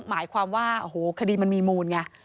หมายความว่าโอ้โหคดีมันมีมูลไง